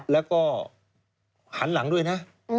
แล้วก็หันหลังด้วยนะ